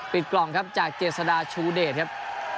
กล่องครับจากเจษฎาชูเดชครับ